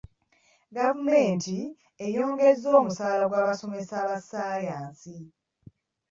Gavumenti eyongezza omusaala gw'abasomesa ba saayansi.